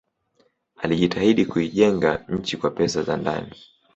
alijitahidi kuijenga nchi kwa pesa za ndani